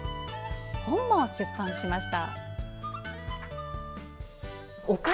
本も出版しました。